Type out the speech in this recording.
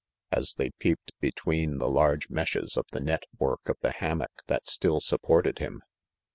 as they peeped between the large meshes of the net work 1 " of the hammock that still supported him.